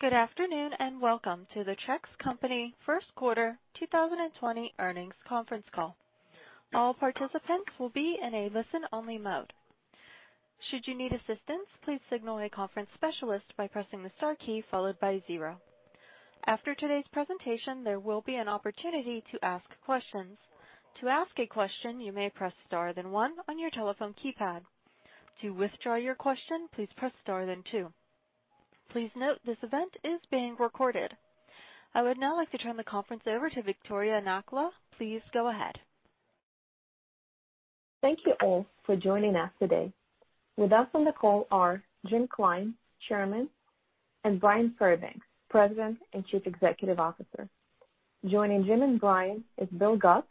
Good afternoon and welcome to the Trex Company First Quarter 2020 Earnings Conference Call. All participants will be in a listen-only mode. Should you need assistance, please signal a conference specialist by pressing the star key followed by zero. After today's presentation, there will be an opportunity to ask questions. To ask a question, you may press star then one on your telephone keypad. To withdraw your question, please press star then two. Please note this event is being recorded. I would now like to turn the conference over to Viktoriia Nakhla. Please go ahead. Thank you all for joining us today. With us on the call are James Cline, Chairman, and Bryan Fairbanks, President and Chief Executive Officer. Joining James and Bryan is Bill Gupp,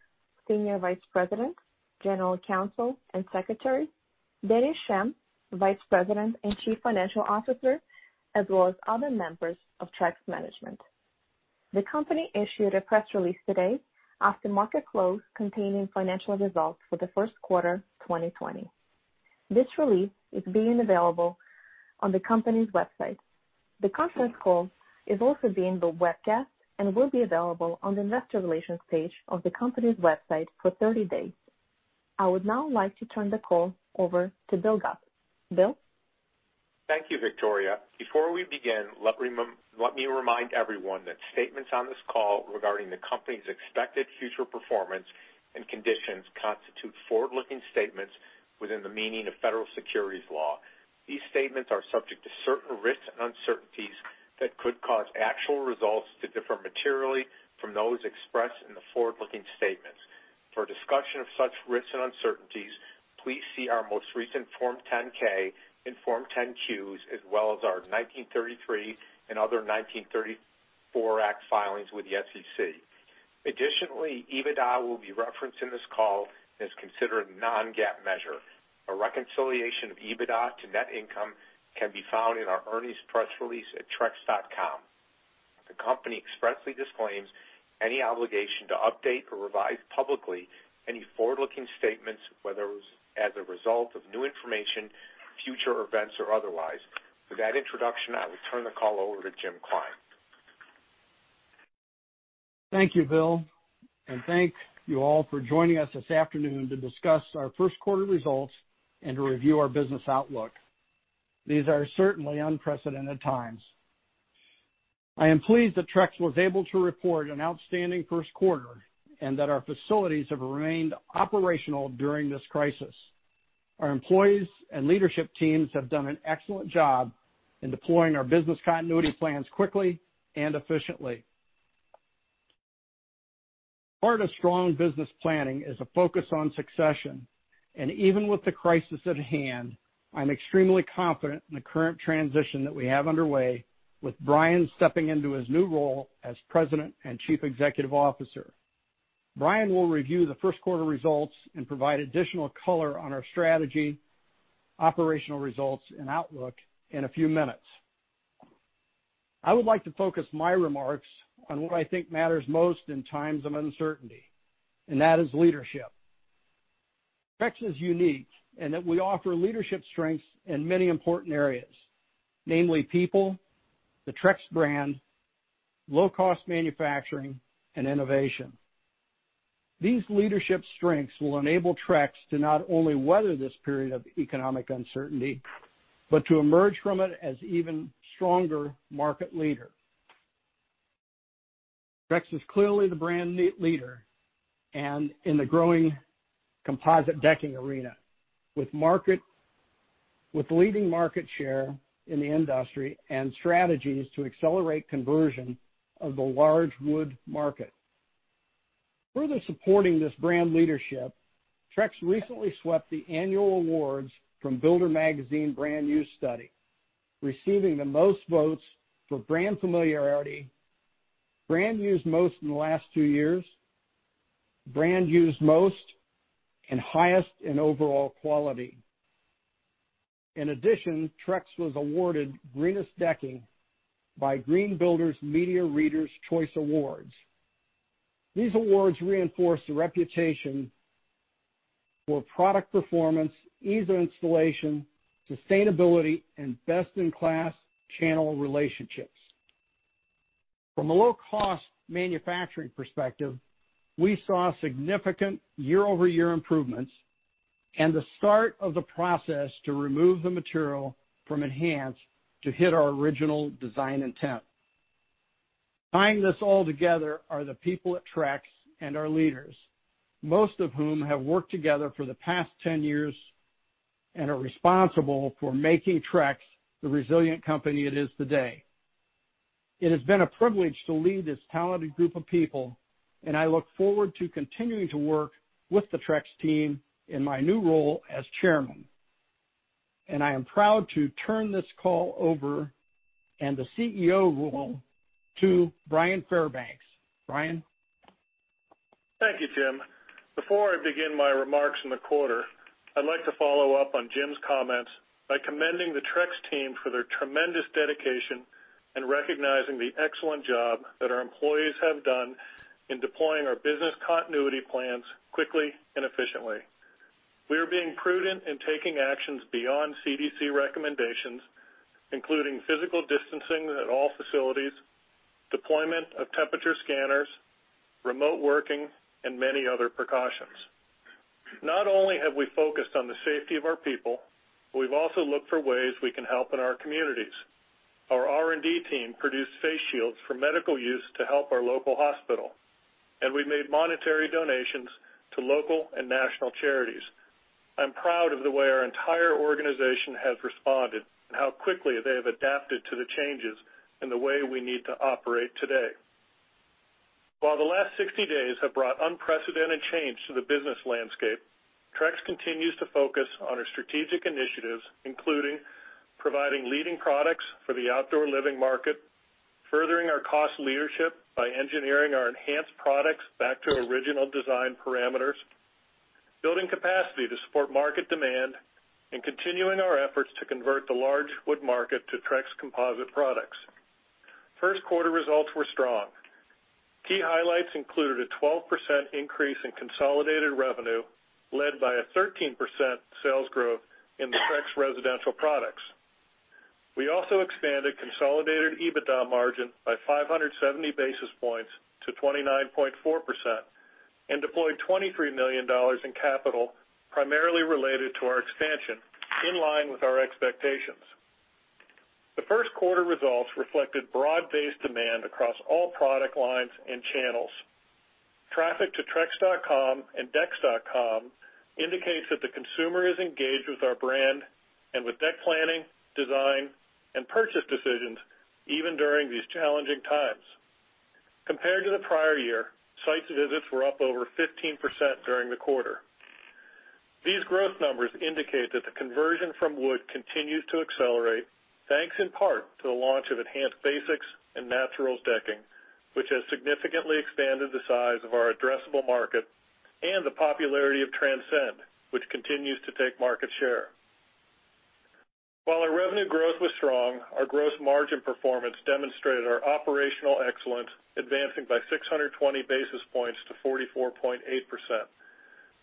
Senior Vice President, General Counsel and Secretary, Dennis Schemm, Vice President and Chief Financial Officer, as well as other members of Trex Management. The company issued a press release today after market close containing financial results for the first quarter 2020. This release is available on the company's website. The conference call is also being recorded and will be available on the investor relations page of the company's website for 30 days. I would now like to turn the call over to Bill Gupp. Bill. Thank you, Victoriia. Before we begin, let me remind everyone that statements on this call regarding the company's expected future performance and conditions constitute forward-looking statements within the meaning of federal securities law. These statements are subject to certain risks and uncertainties that could cause actual results to differ materially from those expressed in the forward-looking statements. For discussion of such risks and uncertainties, please see our most recent Form 10-K and Form 10-Qs, as well as our 1933 and other 1934 Act filings with the SEC. Additionally, EBITDA will be referenced in this call as considered a non-GAAP measure. A reconciliation of EBITDA to net income can be found in our earnings press release at trex.com. The company expressly disclaims any obligation to update or revise publicly any forward-looking statements, whether as a result of new information, future events, or otherwise. With that introduction, I will turn the call over to James Cline. Thank you, Bill, and thank you all for joining us this afternoon to discuss our first quarter results and to review our business outlook. These are certainly unprecedented times. I am pleased that Trex was able to report an outstanding first quarter and that our facilities have remained operational during this crisis. Our employees and leadership teams have done an excellent job in deploying our business continuity plans quickly and efficiently. Part of strong business planning is a focus on succession, and even with the crisis at hand, I'm extremely confident in the current transition that we have underway with Bryan stepping into his new role as President and Chief Executive Officer. Bryan will review the first quarter results and provide additional color on our strategy, operational results, and outlook in a few minutes. I would like to focus my remarks on what I think matters most in times of uncertainty, and that is leadership. Trex is unique in that we offer leadership strengths in many important areas, namely people, the Trex brand, low-cost manufacturing, and innovation. These leadership strengths will enable Trex to not only weather this period of economic uncertainty but to emerge from it as an even stronger market leader. Trex is clearly the brand leader, and in the growing composite decking arena, with leading market share in the industry and strategies to accelerate conversion of the large wood market. Further supporting this brand leadership, Trex recently swept the annual awards from Builder Magazine brand use study, receiving the most votes for brand familiarity, brand used most in the last two years, brand used most, and highest in overall quality. In addition, Trex was awarded greenest decking by Green Builders Media Readers' Choice Awards. These awards reinforce the reputation for product performance, ease of installation, sustainability, and best-in-class channel relationships. From a low-cost manufacturing perspective, we saw significant year-over-year improvements and the start of the process to remove the material from Enhance to hit our original design intent. Tying this all together are the people at Trex and our leaders, most of whom have worked together for the past 10 years and are responsible for making Trex the resilient company it is today. It has been a privilege to lead this talented group of people, and I look forward to continuing to work with the Trex team in my new role as Chairman. I am proud to turn this call over and the CEO role to Bryan Fairbanks. Bryan. Thank you, James. Before I begin my remarks in the quarter, I'd like to follow up on Jim comments by commending the Trex team for their tremendous dedication and recognizing the excellent job that our employees have done in deploying our business continuity plans quickly and efficiently. We are being prudent in taking actions beyond CDC recommendations, including physical distancing at all facilities, deployment of temperature scanners, remote working, and many other precautions. Not only have we focused on the safety of our people, but we've also looked for ways we can help in our communities. Our R&D team produced face shields for medical use to help our local hospital, and we've made monetary donations to local and national charities. I'm proud of the way our entire organization has responded and how quickly they have adapted to the changes in the way we need to operate today. While the last 60 days have brought unprecedented change to the business landscape, Trex continues to focus on our strategic initiatives, including providing leading products for the outdoor living market, furthering our cost leadership by engineering our enhanced products back to original design parameters, building capacity to support market demand, and continuing our efforts to convert the large wood market to Trex composite products. First quarter results were strong. Key highlights included a 12% increase in consolidated revenue led by a 13% sales growth in the Trex residential products. We also expanded consolidated EBITDA margin by 570 basis points to 29.4% and deployed $23 million in capital, primarily related to our expansion, in line with our expectations. The first quarter results reflected broad-based demand across all product lines and channels. Traffic to trex.com and trex.com indicates that the consumer is engaged with our brand and with deck planning, design, and purchase decisions even during these challenging times. Compared to the prior year, site visits were up over 15% during the quarter. These growth numbers indicate that the conversion from wood continues to accelerate, thanks in part to the launch of Enhance Basics and Naturals decking, which has significantly expanded the size of our addressable market and the popularity of Transcend, which continues to take market share. While our revenue growth was strong, our gross margin performance demonstrated our operational excellence, advancing by 620 basis points to 44.8%.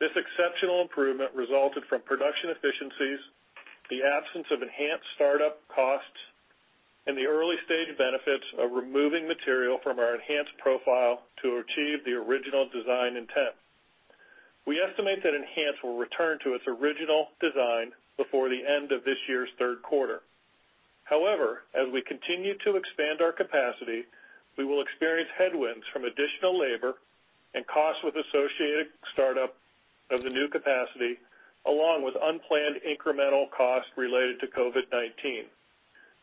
This exceptional improvement resulted from production efficiencies, the absence of Enhance startup costs, and the early-stage benefits of removing material from our Enhance profile to achieve the original design intent. We estimate that Enhance will return to its original design before the end of this year's third quarter. However, as we continue to expand our capacity, we will experience headwinds from additional labor and costs with associated startup of the new capacity, along with unplanned incremental costs related to COVID-19.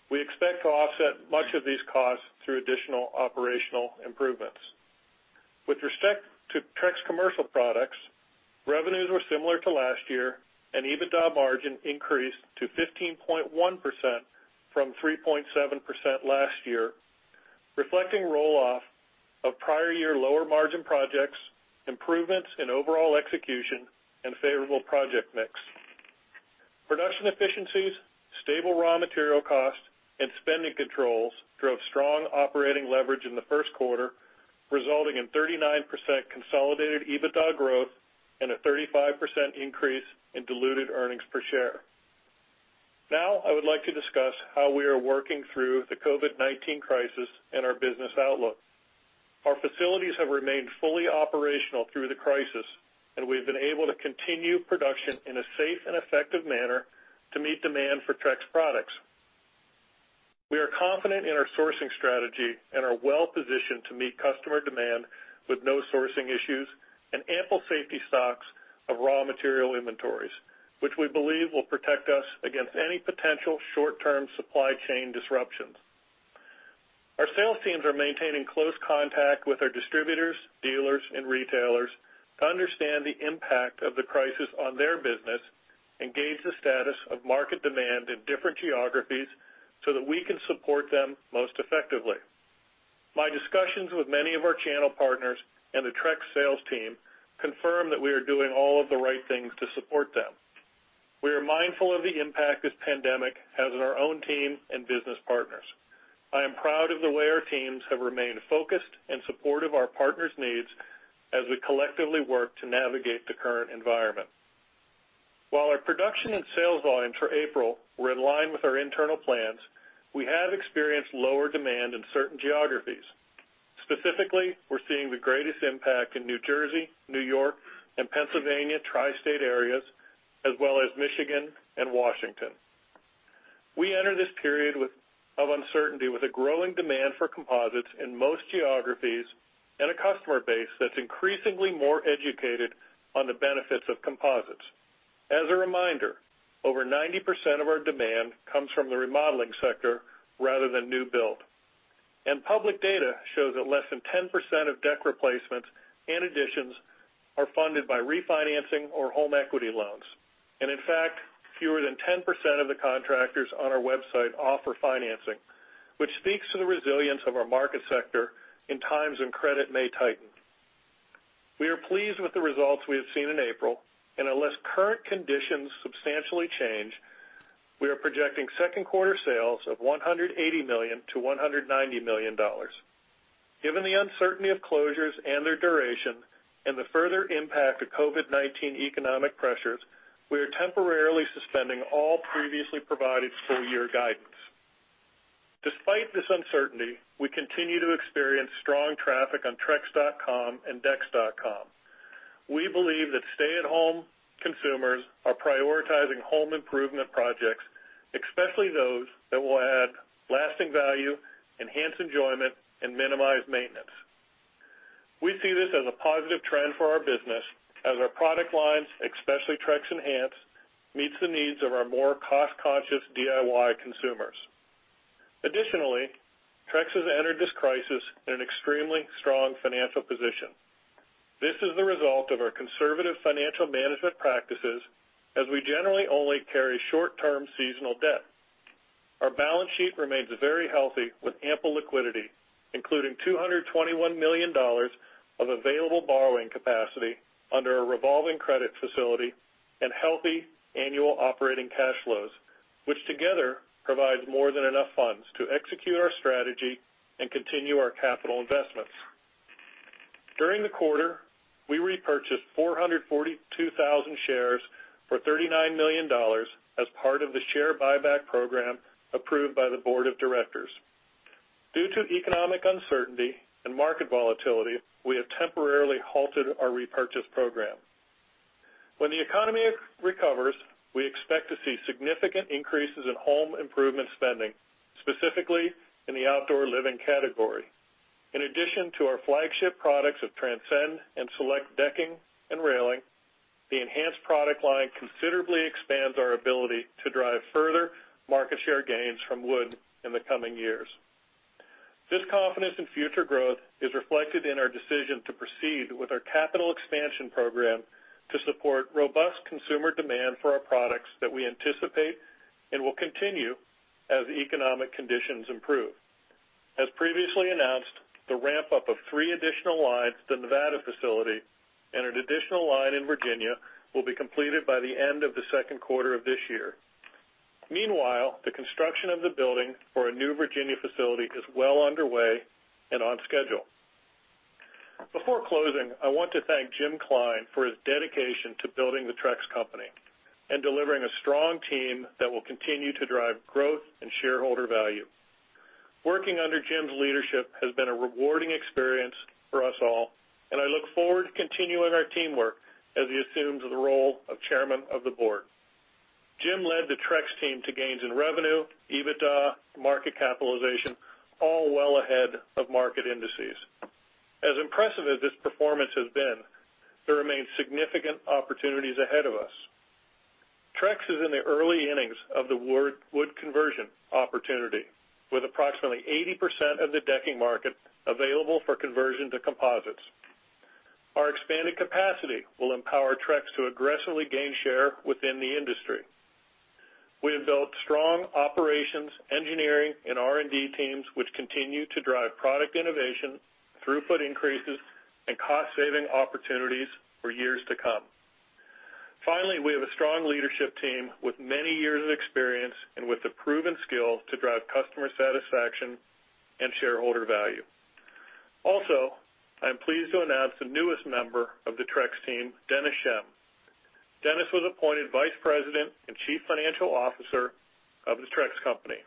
We expect to offset much of these costs through additional operational improvements. With respect to Trex commercial products, revenues were similar to last year, and EBITDA margin increased to 15.1% from 3.7% last year, reflecting rolloff of prior year lower margin projects, improvements in overall execution, and favorable project mix. Production efficiencies, stable raw material costs, and spending controls drove strong operating leverage in the first quarter, resulting in 39% consolidated EBITDA growth and a 35% increase in diluted earnings per share. Now, I would like to discuss how we are working through the COVID-19 crisis and our business outlook. Our facilities have remained fully operational through the crisis, and we've been able to continue production in a safe and effective manner to meet demand for Trex products. We are confident in our sourcing strategy and are well-positioned to meet customer demand with no sourcing issues and ample safety stocks of raw material inventories, which we believe will protect us against any potential short-term supply chain disruptions. Our sales teams are maintaining close contact with our distributors, dealers, and retailers to understand the impact of the crisis on their business, gauge the status of market demand in different geographies so that we can support them most effectively. My discussions with many of our channel partners and the Trex sales team confirm that we are doing all of the right things to support them. We are mindful of the impact this pandemic has on our own team and business partners. I am proud of the way our teams have remained focused and supportive of our partners' needs as we collectively work to navigate the current environment. While our production and sales volumes for April were in line with our internal plans, we have experienced lower demand in certain geographies. Specifically, we're seeing the greatest impact in New Jersey, New York, and Pennsylvania tri-state areas, as well as Michigan and Washington. We enter this period of uncertainty with a growing demand for composites in most geographies and a customer base that's increasingly more educated on the benefits of composites. As a reminder, over 90% of our demand comes from the remodeling sector rather than new build. Public data shows that less than 10% of deck replacements and additions are funded by refinancing or home equity loans. In fact, fewer than 10% of the contractors on our website offer financing, which speaks to the resilience of our market sector in times when credit may tighten. We are pleased with the results we have seen in April, and unless current conditions substantially change, we are projecting second quarter sales of $180 million-$190 million. Given the uncertainty of closures and their duration and the further impact of COVID-19 economic pressures, we are temporarily suspending all previously provided full-year guidance. Despite this uncertainty, we continue to experience strong traffic on trex.com and dex.com. We believe that stay-at-home consumers are prioritizing home improvement projects, especially those that will add lasting value, enhance enjoyment, and minimize maintenance. We see this as a positive trend for our business as our product lines, especially Trex Enhance, meet the needs of our more cost-conscious DIY consumers. Additionally, Trex has entered this crisis in an extremely strong financial position. This is the result of our conservative financial management practices as we generally only carry short-term seasonal debt. Our balance sheet remains very healthy with ample liquidity, including $221 million of available borrowing capacity under a revolving credit facility and healthy annual operating cash flows, which together provides more than enough funds to execute our strategy and continue our capital investments. During the quarter, we repurchased 442,000 shares for $39 million as part of the share buyback program approved by the board of directors. Due to economic uncertainty and market volatility, we have temporarily halted our repurchase program. When the economy recovers, we expect to see significant increases in home improvement spending, specifically in the outdoor living category. In addition to our flagship products of Transcend and Select decking and railing, the Enhance product line considerably expands our ability to drive further market share gains from wood in the coming years. This confidence in future growth is reflected in our decision to proceed with our capital expansion program to support robust consumer demand for our products that we anticipate and will continue as the economic conditions improve. As previously announced, the ramp-up of three additional lines to the Nevada facility and an additional line in Virginia will be completed by the end of the second quarter of this year. Meanwhile, the construction of the building for a new Virginia facility is well underway and on schedule. Before closing, I want to thank James Cline for his dedication to building the Trex Company and delivering a strong team that will continue to drive growth and shareholder value. Working under Jame's leadership has been a rewarding experience for us all, and I look forward to continuing our teamwork as he assumes the role of Chairman of the Board. James led the Trex team to gains in revenue, EBITDA, and market capitalization, all well ahead of market indices. As impressive as this performance has been, there remain significant opportunities ahead of us. Trex is in the early innings of the wood conversion opportunity, with approximately 80% of the decking market available for conversion to composites. Our expanded capacity will empower Trex to aggressively gain share within the industry. We have built strong operations, engineering, and R&D teams, which continue to drive product innovation, throughput increases, and cost-saving opportunities for years to come. Finally, we have a strong leadership team with many years of experience and with the proven skill to drive customer satisfaction and shareholder value. Also, I'm pleased to announce the newest member of the Trex team, Dennis Schemm. Dennis was appointed Vice President and Chief Financial Officer of the Trex Company.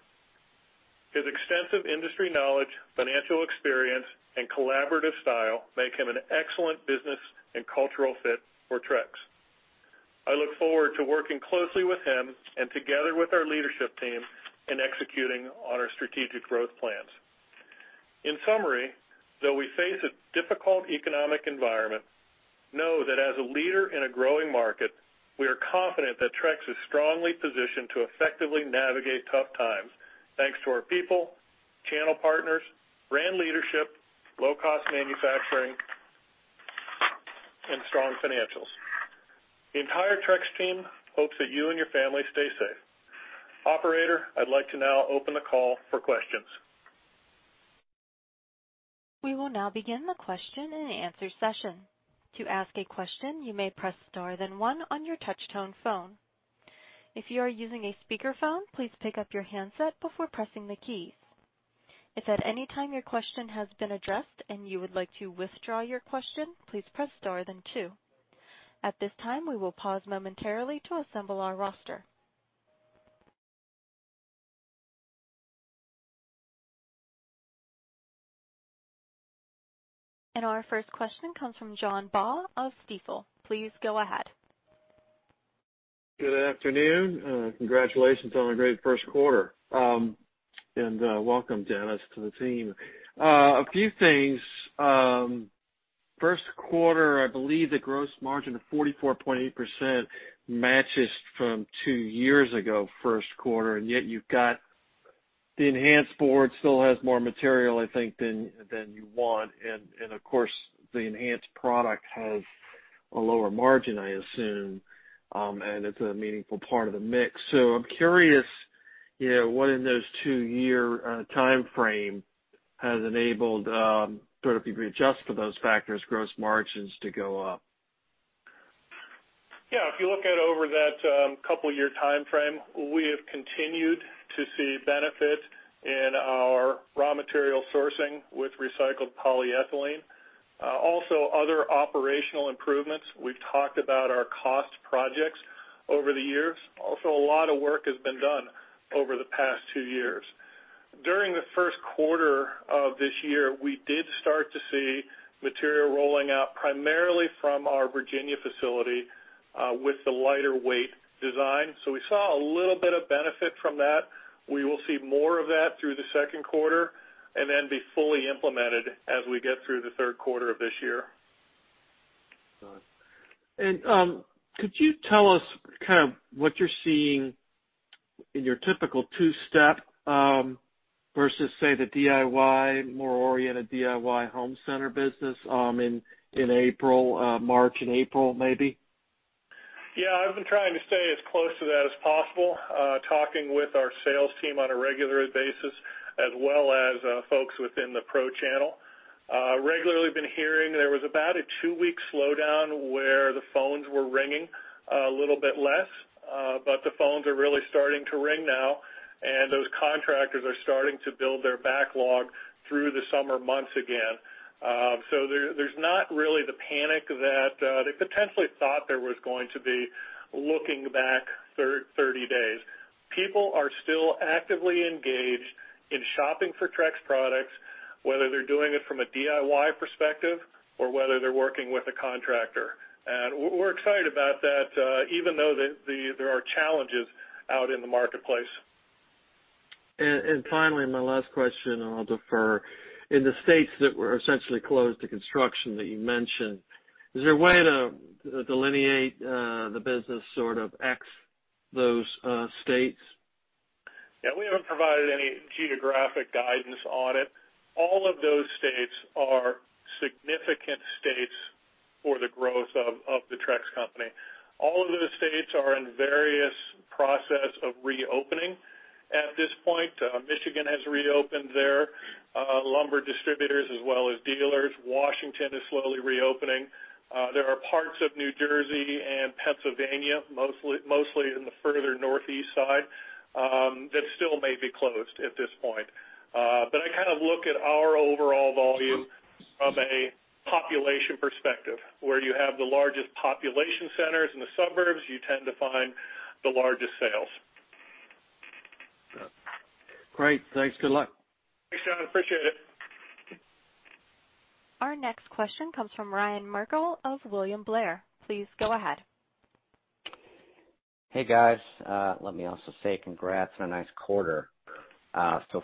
His extensive industry knowledge, financial experience, and collaborative style make him an excellent business and cultural fit for Trex. I look forward to working closely with him and together with our leadership team in executing on our strategic growth plans. In summary, though we face a difficult economic environment, know that as a leader in a growing market, we are confident that Trex is strongly positioned to effectively navigate tough times, thanks to our people, channel partners, brand leadership, low-cost manufacturing, and strong financials. The entire Trex team hopes that you and your family stay safe. Operator, I'd like to now open the call for questions. We will now begin the question and answer session. To ask a question, you may press star then one on your touch-tone phone. If you are using a speakerphone, please pick up your handset before pressing the keys. If at any time your question has been addressed and you would like to withdraw your question, please press star then two. At this time, we will pause momentarily to assemble our roster. Our first question comes from John Ball of Stifel. Please go ahead. Good afternoon. Congratulations on a great first quarter. Welcome, Dennis, to the team. A few things. First quarter, I believe the gross margin of 44.8% matches from two years ago, first quarter, and yet you've got the Enhance board still has more material, I think, than you want. Of course, the Enhance product has a lower margin, I assume, and it's a meaningful part of the mix. I'm curious what in those two-year timeframe has enabled sort of if you adjust for those factors, gross margins to go up. Yeah. If you look at over that couple-year timeframe, we have continued to see benefit in our raw material sourcing with recycled polyethylene. Also, other operational improvements. We've talked about our cost projects over the years. Also, a lot of work has been done over the past two years. During the first quarter of this year, we did start to see material rolling out primarily from our Virginia facility with the lighter weight design. We saw a little bit of benefit from that. We will see more of that through the second quarter and then be fully implemented as we get through the third quarter of this year. Could you tell us kind of what you're seeing in your typical two-step versus, say, the DIY, more oriented DIY home center business in April, March and April, maybe? Yeah. I've been trying to stay as close to that as possible, talking with our sales team on a regular basis as well as folks within the Pro Channel. Regularly, I've been hearing there was about a two-week slowdown where the phones were ringing a little bit less, but the phones are really starting to ring now, and those contractors are starting to build their backlog through the summer months again. There is not really the panic that they potentially thought there was going to be looking back 30 days. People are still actively engaged in shopping for Trex products, whether they're doing it from a DIY perspective or whether they're working with a contractor. We're excited about that, even though there are challenges out in the marketplace. Finally, my last question, and I'll defer. In the states that were essentially closed to construction that you mentioned, is there a way to delineate the business sort of ex those states? Yeah. We have not provided any geographic guidance on it. All of those states are significant states for the growth of the Trex Company. All of those states are in various process of reopening at this point. Michigan has reopened their lumber distributors as well as dealers. Washington is slowly reopening. There are parts of New Jersey and Pennsylvania, mostly in the further northeast side, that still may be closed at this point. I kind of look at our overall volume from a population perspective. Where you have the largest population centers in the suburbs, you tend to find the largest sales. Great. Thanks. Good luck. Thanks, John. Appreciate it. Our next question comes from Ryan Merkel of William Blair. Please go ahead. Hey, guys. Let me also say congrats on a nice quarter.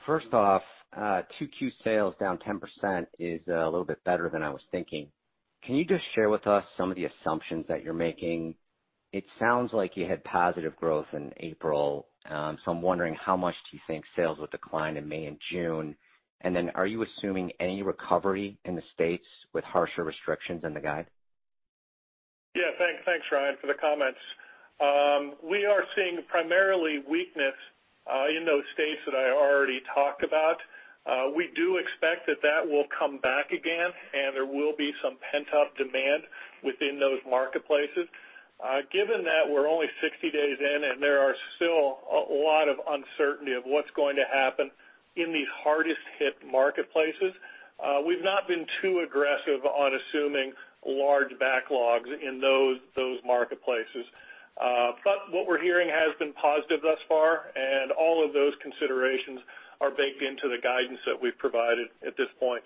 First off, 2Q sales down 10% is a little bit better than I was thinking. Can you just share with us some of the assumptions that you're making? It sounds like you had positive growth in April, so I'm wondering how much do you think sales would decline in May and June? Are you assuming any recovery in the states with harsher restrictions in the guide? Yeah. Thanks, Ryan, for the comments. We are seeing primarily weakness in those states that I already talked about. We do expect that that will come back again, and there will be some pent-up demand within those marketplaces. Given that we're only 60 days in and there is still a lot of uncertainty of what's going to happen in these hardest-hit marketplaces, we've not been too aggressive on assuming large backlogs in those marketplaces. What we're hearing has been positive thus far, and all of those considerations are baked into the guidance that we've provided at this point.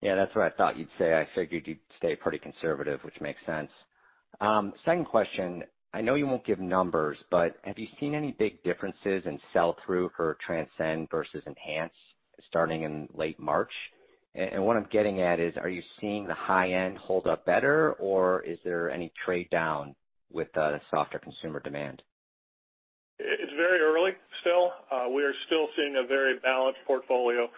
Yeah. That's what I thought you'd say. I figured you'd stay pretty conservative, which makes sense. Second question. I know you won't give numbers, but have you seen any big differences in sell-through for Transcend versus Enhance starting in late March? What I'm getting at is, are you seeing the high-end hold up better, or is there any trade-down with the softer consumer demand? It's very early still. We are still seeing a very balanced portfolio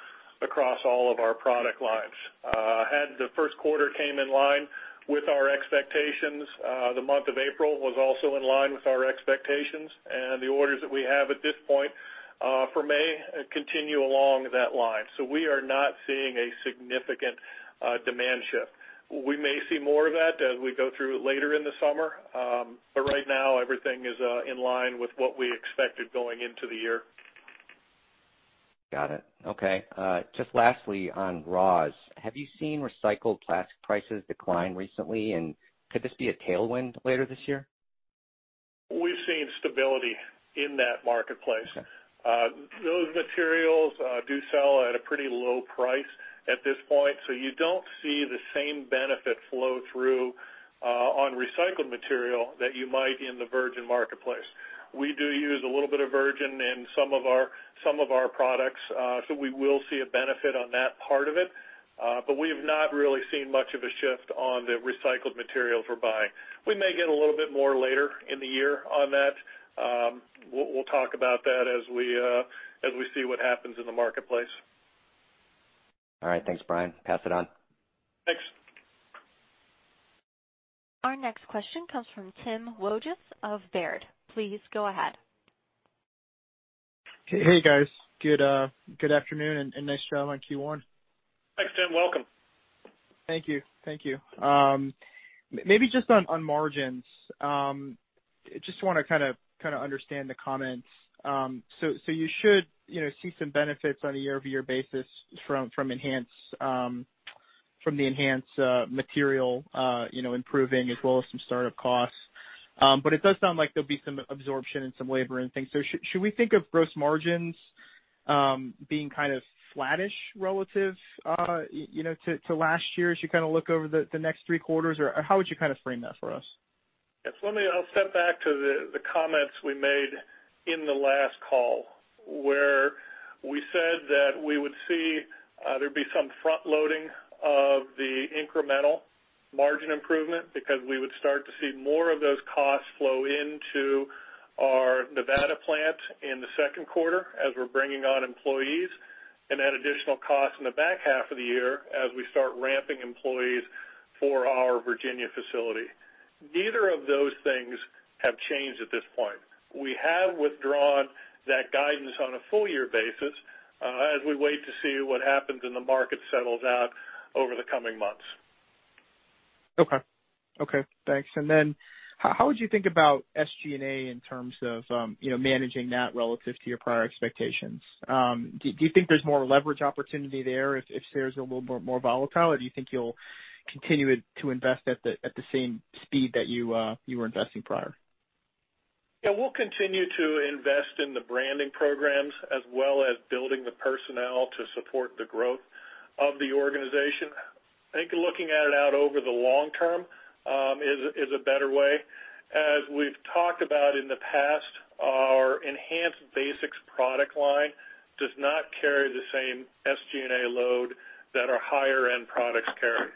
across all of our product lines. Had the first quarter come in line with our expectations, the month of April was also in line with our expectations, and the orders that we have at this point for May continue along that line. We are not seeing a significant demand shift. We may see more of that as we go through later in the summer, but right now, everything is in line with what we expected going into the year. Got it. Okay. Just lastly, on raws, have you seen recycled plastic prices decline recently, and could this be a tailwind later this year? We've seen stability in that marketplace. Those materials do sell at a pretty low price at this point, so you don't see the same benefit flow through on recycled material that you might in the virgin marketplace. We do use a little bit of virgin in some of our products, so we will see a benefit on that part of it, but we have not really seen much of a shift on the recycled materials we're buying. We may get a little bit more later in the year on that. We'll talk about that as we see what happens in the marketplace. All right. Thanks, Bryan. Pass it on. Thanks. Our next question comes from Tim Wojs of Baird. Please go ahead. Hey, guys. Good afternoon and nice show on Q1. Thanks, Tim. Welcome. Thank you. Thank you. Maybe just on margins, just want to kind of understand the comments. You should see some benefits on a year-over-year basis from the enhanced material improving as well as some startup costs. It does sound like there will be some absorption and some labor and things. Should we think of gross margins being kind of flattish relative to last year as you look over the next three quarters, or how would you frame that for us? Yes. Let me step back to the comments we made in the last call where we said that we would see there'd be some front-loading of the incremental margin improvement because we would start to see more of those costs flow into our Nevada plant in the second quarter as we're bringing on employees and add additional costs in the back half of the year as we start ramping employees for our Virginia facility. Neither of those things have changed at this point. We have withdrawn that guidance on a full-year basis as we wait to see what happens and the market settles out over the coming months. Okay. Okay. Thanks. How would you think about SG&A in terms of managing that relative to your prior expectations? Do you think there's more leverage opportunity there if shares are a little bit more volatile, or do you think you'll continue to invest at the same speed that you were investing prior? Yeah. We'll continue to invest in the branding programs as well as building the personnel to support the growth of the organization. I think looking at it out over the long term is a better way. As we've talked about in the past, our Enhance Basics product line does not carry the same SG&A load that our higher-end products carry.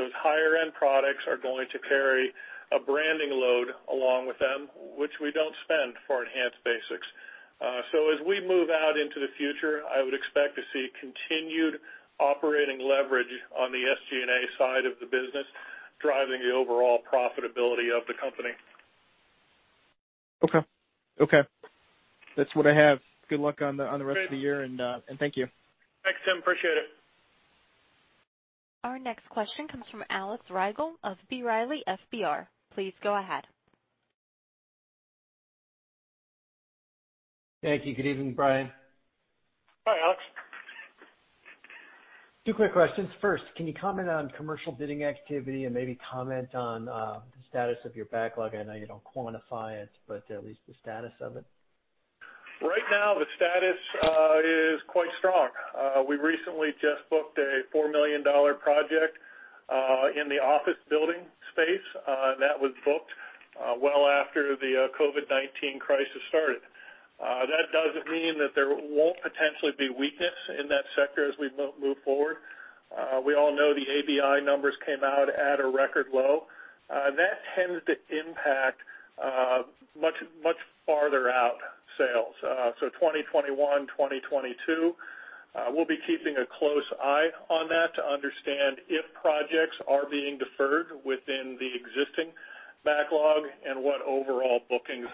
Those higher-end products are going to carry a branding load along with them, which we don't spend for Enhance Basics. As we move out into the future, I would expect to see continued operating leverage on the SG&A side of the business driving the overall profitability of the company. Okay. Okay. That's what I have. Good luck on the rest of the year, and thank you. Thanks, Tim. Appreciate it. Our next question comes from Alex Rygiel of B. Riley FBR. Please go ahead. Thank you. Good evening, Bryan. Hi, Alex. Two quick questions. First, can you comment on commercial bidding activity and maybe comment on the status of your backlog? I know you do not quantify it, but at least the status of it. Right now, the status is quite strong. We recently just booked a $4 million project in the office building space that was booked well after the COVID-19 crisis started. That does not mean that there will not potentially be weakness in that sector as we move forward. We all know the ABI numbers came out at a record low. That tends to impact much farther-out sales. 2021, 2022, we will be keeping a close eye on that to understand if projects are being deferred within the existing backlog and what overall bookings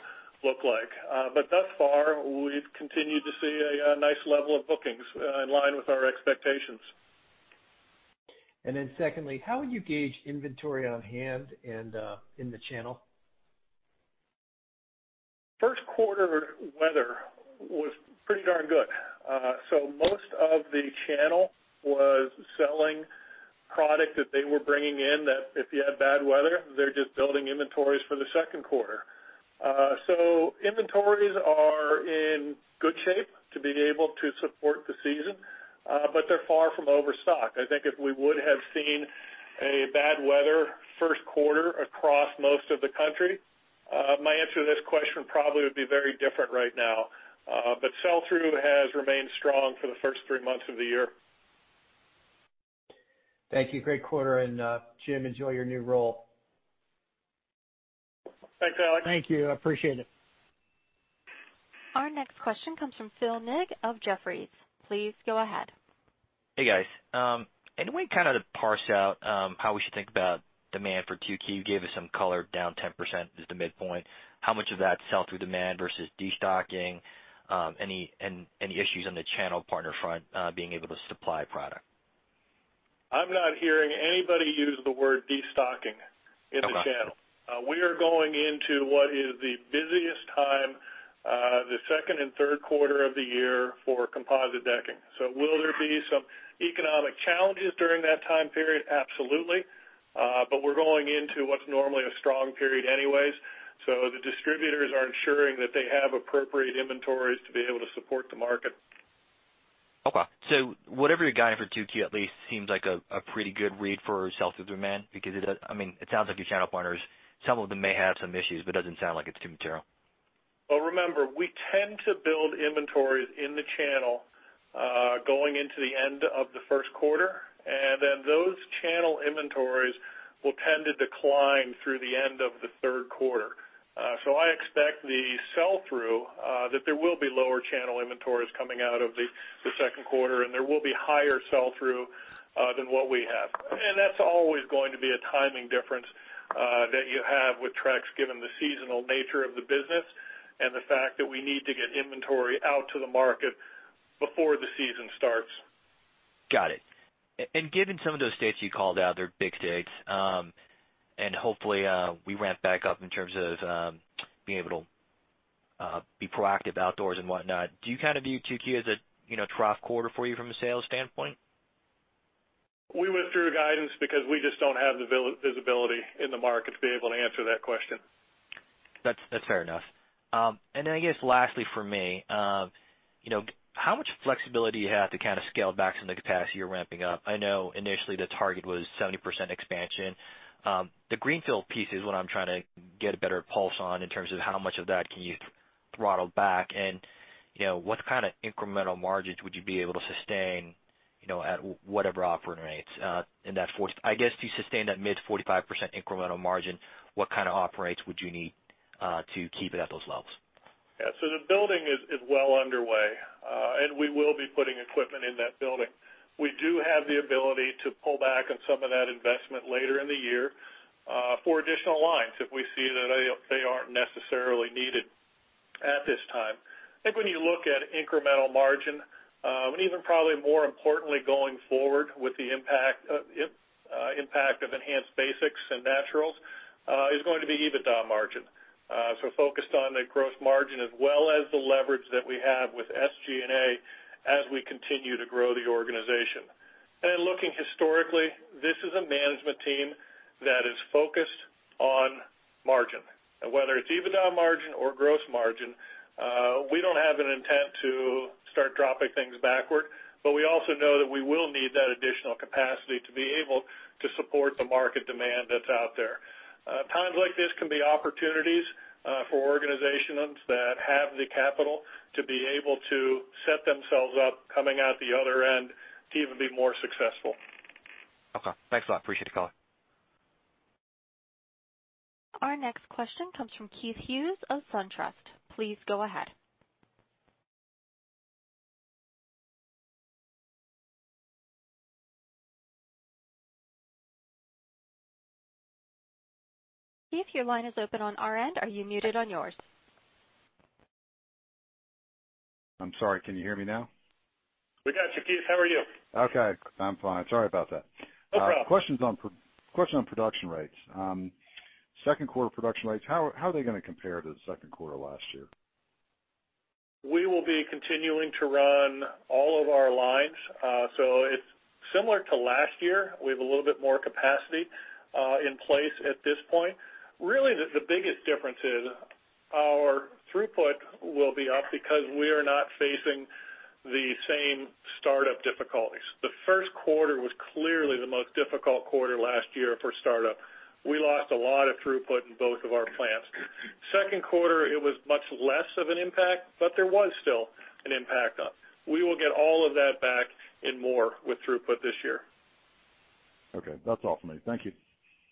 look like. Thus far, we have continued to see a nice level of bookings in line with our expectations. How would you gauge inventory on hand and in the channel? First quarter weather was pretty darn good. Most of the channel was selling product that they were bringing in that if you had bad weather, they're just building inventories for the second quarter. Inventories are in good shape to be able to support the season, but they're far from overstocked. I think if we would have seen a bad weather first quarter across most of the country, my answer to this question probably would be very different right now. Sell-through has remained strong for the first three months of the year. Thank you. Great quarter. James, enjoy your new role. Thanks, Alex. Thank you. I appreciate it. Our next question comes from Phil Ng of Jefferies. Please go ahead. Hey, guys. Any way kind of to parse out how we should think about demand for 2Q? You gave us some color down 10% is the midpoint. How much of that sell-through demand versus destocking? Any issues on the channel partner front being able to supply product? I'm not hearing anybody use the word destocking in the channel. We are going into what is the busiest time, the second and third quarter of the year for composite decking. Will there be some economic challenges during that time period? Absolutely. We are going into what's normally a strong period anyways. The distributors are ensuring that they have appropriate inventories to be able to support the market. Okay. Whatever your guide for 2Q at least seems like a pretty good read for sell-through demand because, I mean, it sounds like your channel partners, some of them may have some issues, but it does not sound like it is too material. Remember, we tend to build inventories in the channel going into the end of the first quarter, and then those channel inventories will tend to decline through the end of the third quarter. I expect the sell-through that there will be lower channel inventories coming out of the second quarter, and there will be higher sell-through than what we have. That's always going to be a timing difference that you have with Trex given the seasonal nature of the business and the fact that we need to get inventory out to the market before the season starts. Got it. Given some of those states you called out, they're big states, and hopefully, we ramp back up in terms of being able to be proactive outdoors and whatnot. Do you kind of view 2Q as a trough quarter for you from a sales standpoint? We withdrew guidance because we just don't have the visibility in the market to be able to answer that question. That's fair enough. I guess lastly for me, how much flexibility do you have to kind of scale back some of the capacity you're ramping up? I know initially the target was 70% expansion. The greenfield piece is what I'm trying to get a better pulse on in terms of how much of that can you throttle back, and what kind of incremental margins would you be able to sustain at whatever operating rates in that? I guess to sustain that mid 45% incremental margin, what kind of operating rates would you need to keep it at those levels? Yeah. The building is well underway, and we will be putting equipment in that building. We do have the ability to pull back on some of that investment later in the year for additional lines if we see that they are not necessarily needed at this time. I think when you look at incremental margin, and even probably more importantly going forward with the impact of Enhance Basics and Naturals, it is going to be EBITDA margin. Focused on the gross margin as well as the leverage that we have with SG&A as we continue to grow the organization. Looking historically, this is a management team that is focused on margin. Whether it's EBITDA margin or gross margin, we don't have an intent to start dropping things backward, but we also know that we will need that additional capacity to be able to support the market demand that's out there. Times like this can be opportunities for organizations that have the capital to be able to set themselves up coming out the other end to even be more successful. Okay. Thanks a lot. Appreciate the call. Our next question comes from Keith Hughes of SunTrust. Please go ahead. Keith, your line is open on our end. Are you muted on yours? I'm sorry. Can you hear me now? We got you, Keith. How are you? Okay. I'm fine. Sorry about that. No problem. Question on production rates. Second quarter production rates, how are they going to compare to the second quarter last year? We will be continuing to run all of our lines. It is similar to last year. We have a little bit more capacity in place at this point. Really, the biggest difference is our throughput will be up because we are not facing the same startup difficulties. The first quarter was clearly the most difficult quarter last year for startup. We lost a lot of throughput in both of our plants. Second quarter, it was much less of an impact, but there was still an impact. We will get all of that back and more with throughput this year. Okay. That's all for me. Thank you.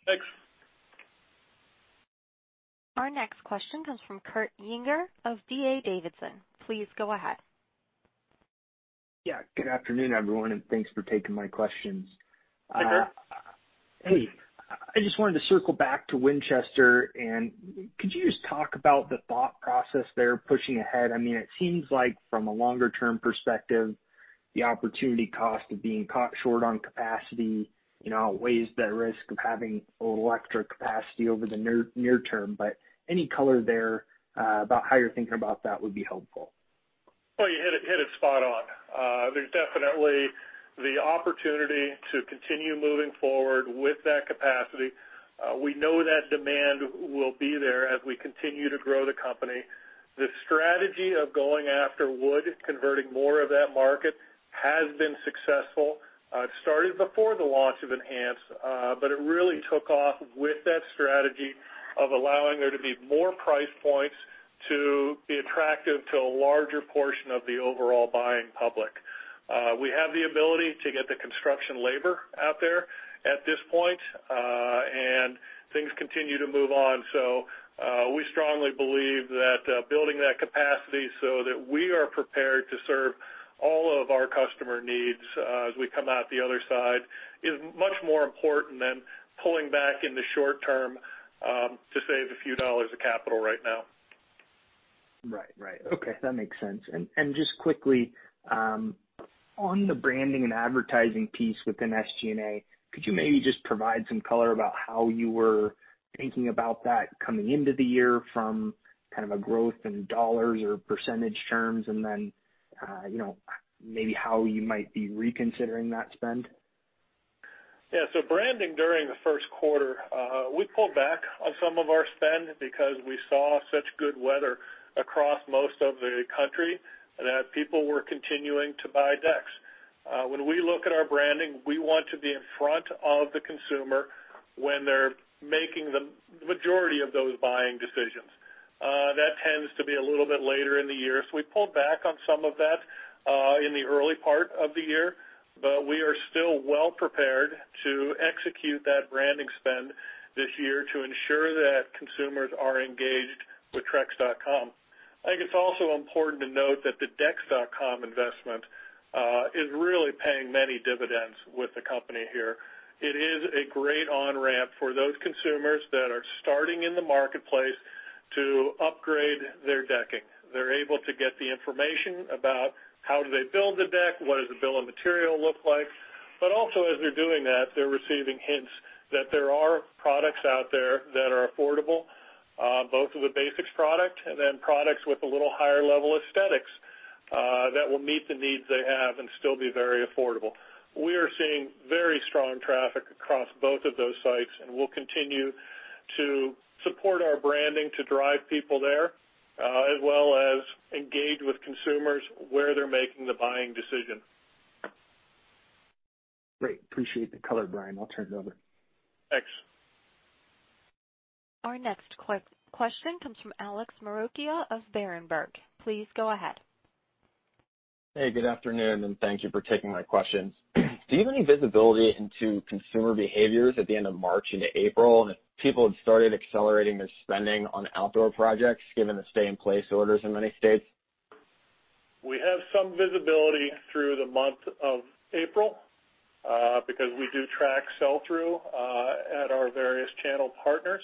Thanks. Our next question comes from Kurt Yinger of D.A. Davidson. Please go ahead. Yeah. Good afternoon, everyone, and thanks for taking my questions. Hey, I just wanted to circle back to Winchester, and could you just talk about the thought process there pushing ahead? I mean, it seems like from a longer-term perspective, the opportunity cost of being caught short on capacity outweighs the risk of having a little extra capacity over the near term. Any color there about how you're thinking about that would be helpful. Oh, you hit it spot on. There's definitely the opportunity to continue moving forward with that capacity. We know that demand will be there as we continue to grow the company. The strategy of going after wood, converting more of that market, has been successful. It started before the launch of Enhance, but it really took off with that strategy of allowing there to be more price points to be attractive to a larger portion of the overall buying public. We have the ability to get the construction labor out there at this point, and things continue to move on. We strongly believe that building that capacity so that we are prepared to serve all of our customer needs as we come out the other side is much more important than pulling back in the short term to save a few dollars of capital right now. Right. Right. Okay. That makes sense. Just quickly, on the branding and advertising piece within SG&A, could you maybe just provide some color about how you were thinking about that coming into the year from kind of a growth in dollars or percentage terms, and then maybe how you might be reconsidering that spend? Yeah. Branding during the first quarter, we pulled back on some of our spend because we saw such good weather across most of the country that people were continuing to buy deck. When we look at our branding, we want to be in front of the consumer when they're making the majority of those buying decisions. That tends to be a little bit later in the year. We pulled back on some of that in the early part of the year, but we are still well prepared to execute that branding spend this year to ensure that consumers are engaged with Trex.com. I think it's also important to note that the Trex.com investment is really paying many dividends with the company here. It is a great on-ramp for those consumers that are starting in the marketplace to upgrade their decking. They're able to get the information about how do they build the deck, what does the bill of material look like. Also, as they're doing that, they're receiving hints that there are products out there that are affordable, both of the Basics product and then products with a little higher level aesthetics that will meet the needs they have and still be very affordable. We are seeing very strong traffic across both of those sites, and we'll continue to support our branding to drive people there as well as engage with consumers where they're making the buying decision. Great. Appreciate the color, Bryan. I'll turn it over. Thanks. Our next question comes from Alex Marocchia of Berenberg. Please go ahead. Hey, good afternoon, and thank you for taking my questions. Do you have any visibility into consumer behaviors at the end of March into April if people had started accelerating their spending on outdoor projects given the stay-in-place orders in many states? We have some visibility through the month of April because we do track sell-through at our various channel partners.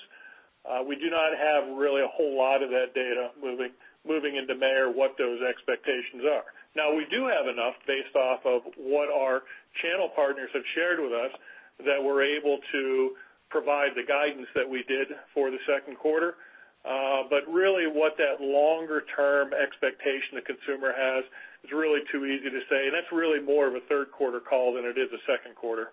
We do not have really a whole lot of that data moving into May or what those expectations are. Now, we do have enough based off of what our channel partners have shared with us that we're able to provide the guidance that we did for the second quarter. Really, what that longer-term expectation the consumer has is really too easy to say. That is really more of a third quarter call than it is a second quarter.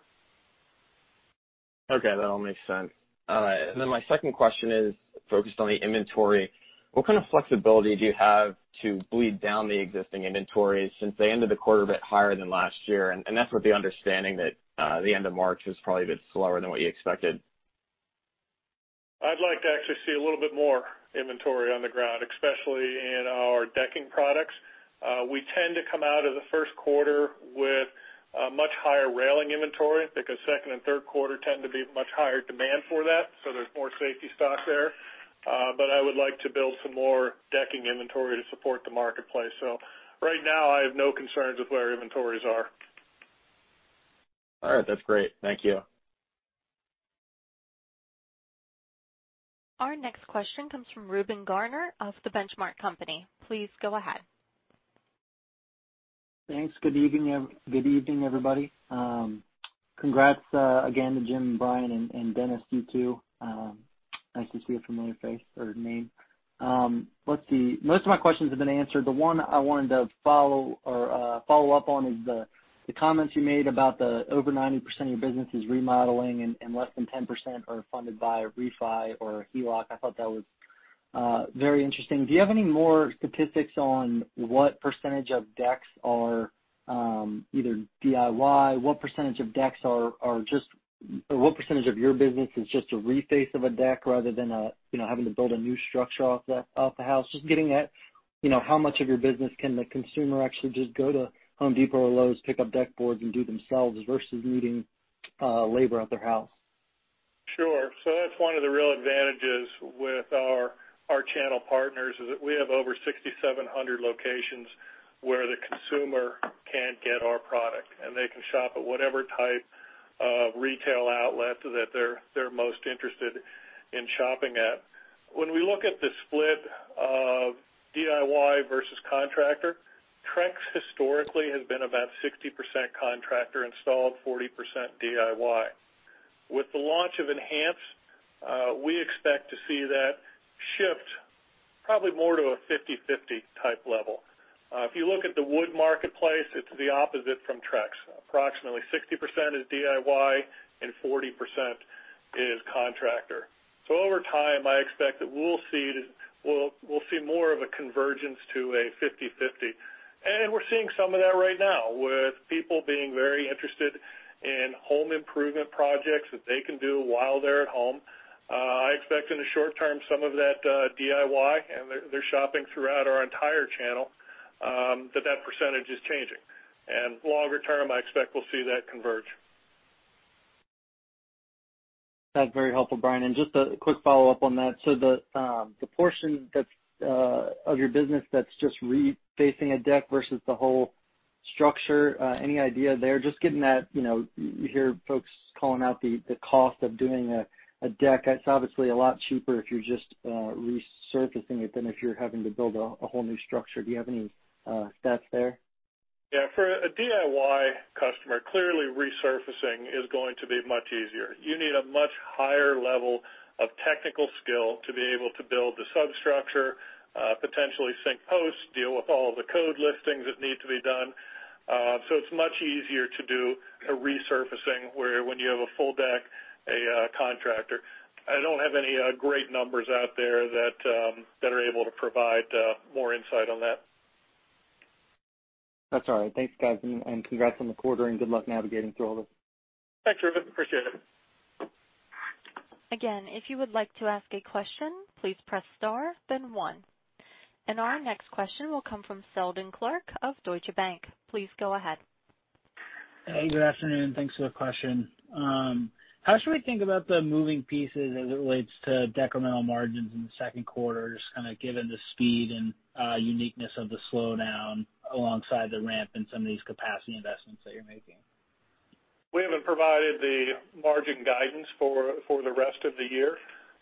Okay. That all makes sense. My second question is focused on the inventory. What kind of flexibility do you have to bleed down the existing inventories since they ended the quarter a bit higher than last year? That is with the understanding that the end of March was probably a bit slower than what you expected. I'd like to actually see a little bit more inventory on the ground, especially in our decking products. We tend to come out of the first quarter with much higher railing inventory because second and third quarter tend to be much higher demand for that. There is more safety stock there. I would like to build some more decking inventory to support the marketplace. Right now, I have no concerns with where our inventories are. All right. That's great. Thank you. Our next question comes from Reuben Garner of The Benchmark Company. Please go ahead. Thanks. Good evening, everybody. Congrats again to James, Bryan, and Dennis, you two. Nice to see a familiar face or name. Let's see. Most of my questions have been answered. The one I wanted to follow up on is the comments you made about the over 90% of your business is remodeling and less than 10% are funded by ReFi or HELOC. I thought that was very interesting. Do you have any more statistics on what percentage of decks are either DIY? What percentage of decks are just or what percentage of your business is just a reface of a deck rather than having to build a new structure off the house? Just getting at how much of your business can the consumer actually just go to Home Depot or Lowe's, pick up deck boards, and do themselves versus needing labor at their house? Sure. That's one of the real advantages with our channel partners is that we have over 6,700 locations where the consumer can get our product, and they can shop at whatever type of retail outlet that they're most interested in shopping at. When we look at the split of DIY versus contractor, Trex historically has been about 60% contractor installed, 40% DIY. With the launch of Enhance, we expect to see that shift probably more to a 50/50 type level. If you look at the wood marketplace, it's the opposite from Trex. Approximately 60% is DIY and 40% is contractor. Over time, I expect that we'll see more of a convergence to a 50/50. We're seeing some of that right now with people being very interested in home improvement projects that they can do while they're at home. I expect in the short term some of that DIY and their shopping throughout our entire channel that that percentage is changing. In the longer term, I expect we'll see that converge. That's very helpful, Bryan. Just a quick follow-up on that. The portion of your business that's just refacing a deck versus the whole structure, any idea there? Just getting that you hear folks calling out the cost of doing a deck. It's obviously a lot cheaper if you're just resurfacing it than if you're having to build a whole new structure. Do you have any stats there? Yeah. For a DIY customer, clearly resurfacing is going to be much easier. You need a much higher level of technical skill to be able to build the substructure, potentially sink posts, deal with all of the code liftings that need to be done. It is much easier to do a resurfacing where when you have a full deck, a contractor. I do not have any great numbers out there that are able to provide more insight on that. That's all right. Thanks, guys. Congrats on the quarter, and good luck navigating through all this. Thanks, Reuben. Appreciate it. Again, if you would like to ask a question, please press star, then one. Our next question will come from Seldon Clark of Deutsche Bank. Please go ahead. Hey, good afternoon. Thanks for the question. How should we think about the moving pieces as it relates to decremental margins in the second quarter, just kind of given the speed and uniqueness of the slowdown alongside the ramp in some of these capacity investments that you're making? We have not provided the margin guidance for the rest of the year,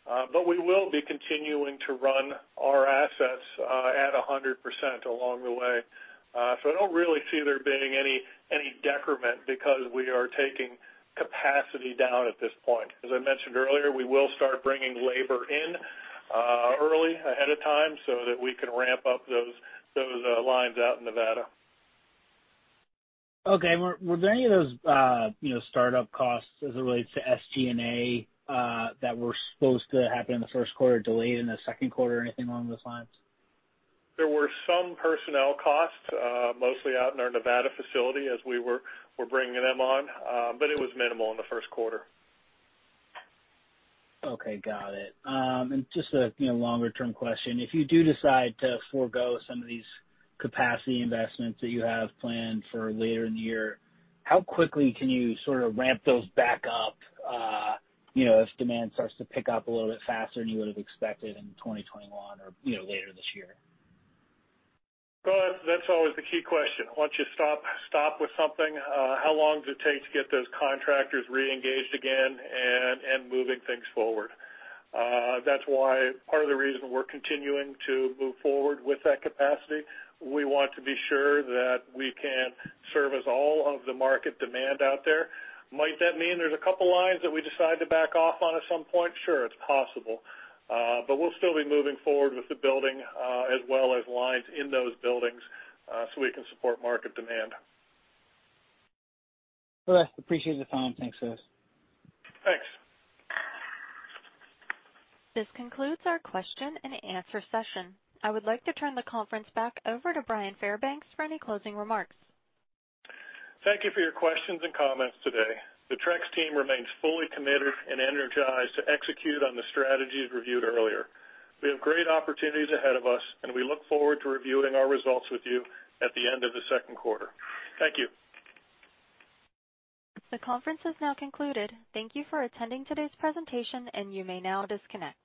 but we will be continuing to run our assets at 100% along the way. I do not really see there being any decrement because we are taking capacity down at this point. As I mentioned earlier, we will start bringing labor in early ahead of time so that we can ramp up those lines out in Nevada. Okay. Were there any of those startup costs as it relates to SG&A that were supposed to happen in the first quarter delayed in the second quarter or anything along those lines? There were some personnel costs, mostly out in our Nevada facility as we were bringing them on, but it was minimal in the first quarter. Okay. Got it. Just a longer-term question. If you do decide to forego some of these capacity investments that you have planned for later in the year, how quickly can you sort of ramp those back up if demand starts to pick up a little bit faster than you would have expected in 2021 or later this year? That is always the key question. Once you stop with something, how long does it take to get those contractors re-engaged again and moving things forward? That is why part of the reason we are continuing to move forward with that capacity. We want to be sure that we can service all of the market demand out there. Might that mean there are a couple of lines that we decide to back off on at some point? Sure, it is possible. We will still be moving forward with the building as well as lines in those buildings so we can support market demand. All right. Appreciate the time. Thanks, guys. Thanks. This concludes our question and answer session. I would like to turn the conference back over to Bryan Fairbanks for any closing remarks. Thank you for your questions and comments today. The Trex team remains fully committed and energized to execute on the strategies reviewed earlier. We have great opportunities ahead of us, and we look forward to reviewing our results with you at the end of the second quarter. Thank you. The conference has now concluded. Thank you for attending today's presentation, and you may now disconnect.